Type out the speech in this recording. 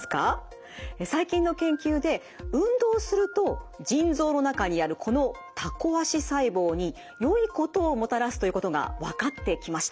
最近の研究で運動すると腎臓の中にあるこのタコ足細胞によいことをもたらすということが分かってきました。